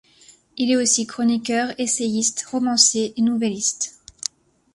Il est aussi chroniqueur, essayiste, romancier et nouvelliste.